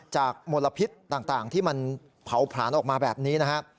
มลพิษต่างที่มันเผาผลาญออกมาแบบนี้นะฮะ